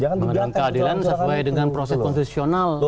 dengan keadilan sesuai dengan proses konstitusional